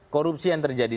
korupsi yang terjadi